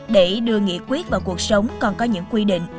để đưa nghị quyết vào cuộc sống còn có những quy định